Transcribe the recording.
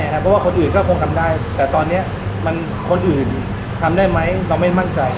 เพราะว่าคนอื่นก็คงทำได้แต่ตอนนี้คนอื่นทำได้ไหมเราไม่มั่นใจ